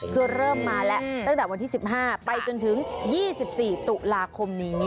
คือเริ่มมาแล้วตั้งแต่วันที่๑๕ไปจนถึง๒๔ตุลาคมนี้